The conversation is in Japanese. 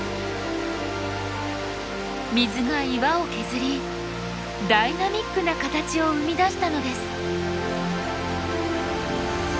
水が岩を削りダイナミックな形を生み出したのです。